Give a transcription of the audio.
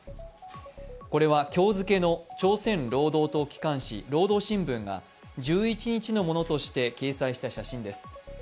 これは今日付の朝鮮労働党機関紙「労働新聞」が１１日のものとして掲載した写真です。